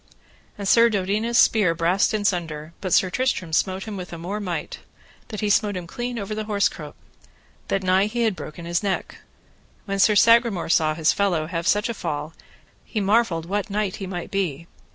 And Sir Dodinas' spear brast in sunder, but Sir Tristram smote him with a more might, that he smote him clean over the horse croup, that nigh he had broken his neck. When Sir Sagramore saw his fellow have such a fall he marvelled what knight he might be.